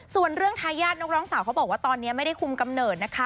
ส่วนเรื่องทายาทนักร้องสาวเขาบอกว่าตอนนี้ไม่ได้คุมกำเนิดนะคะ